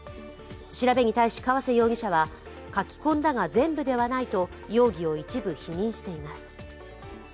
調べに対し、川瀬容疑者は書き込んだが全部ではないと容疑を一部否認しています。